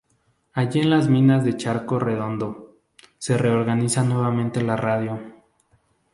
Allí en las Minas de Charco Redondo, se reorganiza nuevamente la radio.